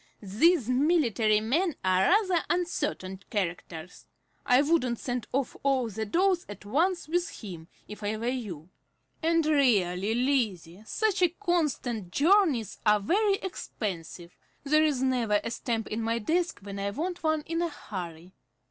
"These military men are rather uncertain characters. I wouldn't send off all the dolls at once with him, if I were you. And really, Lizzie, such constant journeys are very expensive. There is never a stamp in my desk when I want one in a hurry."